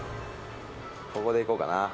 「ここでいこうかな。